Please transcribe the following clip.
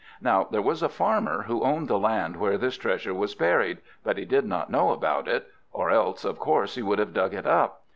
Now there was a Farmer who owned the land where this treasure was buried; but he did not know about it, or else of course he would have dug it up.